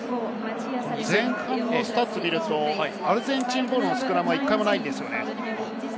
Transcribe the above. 前半のスタッツを見るとアルゼンチンボールのスクラムは１回もないですね。